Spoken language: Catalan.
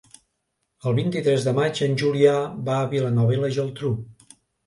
El vint-i-tres de maig en Julià va a Vilanova i la Geltrú.